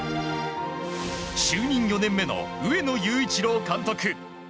就任４年目の上野裕一郎監督。